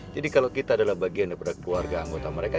jadi kalau kita adalah bagian daripada keluarga anggota mereka